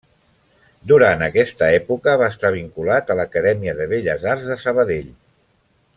Durant aquesta època va estar vinculat a l’Acadèmia de Belles Arts de Sabadell.